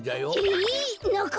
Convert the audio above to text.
えっ！